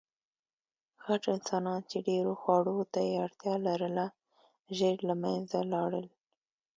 غټ انسانان، چې ډېرو خوړو ته یې اړتیا لرله، ژر له منځه لاړل.